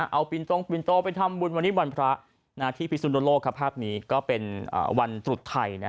เอาปินตรงปินโตไปทำบุญวันนี้วันพระที่พิสุนโลกภาพนี้ก็เป็นวันตรุษไทย